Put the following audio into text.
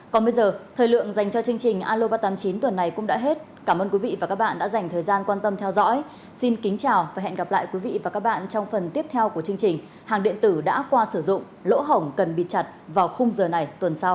còn bây giờ thời lượng dành cho chương trình alo ba trăm tám mươi chín tuần này cũng đã hết cảm ơn quý vị và các bạn đã dành thời gian quan tâm theo dõi xin kính chào và hẹn gặp lại quý vị và các bạn trong phần tiếp theo của chương trình hàng điện tử đã qua sử dụng lỗ hổng cần bịt chặt vào khung giờ này tuần sau